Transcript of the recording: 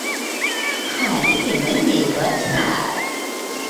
پری به ما نگاه کرد.